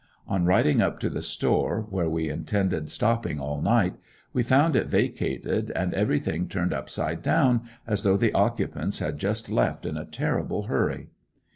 On riding up to the store, where we intended stopping all night, we found it vacated, and everything turned up side down as though the occupants had just left in a terrible hurry.